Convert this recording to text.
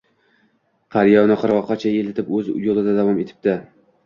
Qariya uni qirg`oqqacha eltib, o`z yo`lida davom etibdi